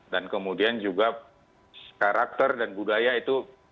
dan kemudian juga karakter dan budaya itu